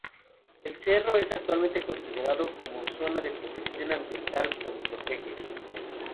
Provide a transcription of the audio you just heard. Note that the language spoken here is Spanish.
El cerro es actualmente considerado como zona de protección ambiental por Protege.